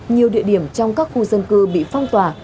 nhiều địa điểm trong các khu dân cư bị phong tỏa